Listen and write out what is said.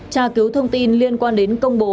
tra cứu thông tin liên quan đến công bố